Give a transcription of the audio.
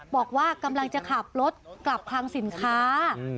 บอกว่ากำลังจะขับรถกลับคลังสินค้า